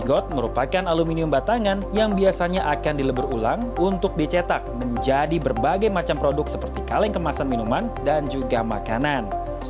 got merupakan aluminium batangan yang biasanya akan dilebur ulang untuk dicetak menjadi berbagai macam produk seperti kaleng kemasan minuman dan juga makanan